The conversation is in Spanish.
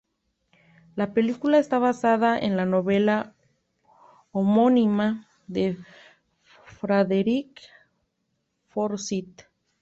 La película está basada en la novela homónima de Frederick Forsyth.